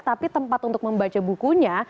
tapi tempat untuk membaca bukunya